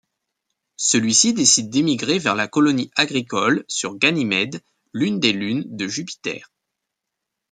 Celui-ci décide d'émigrer vers la colonie agricole sur Ganymède, l'une des lunes de Jupiter.